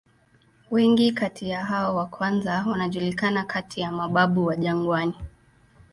Wengi kati ya hao wa kwanza wanajulikana kati ya "mababu wa jangwani".